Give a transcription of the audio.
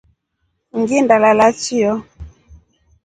Nginda lala chio.